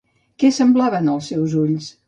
Què semblaven els seus ulls?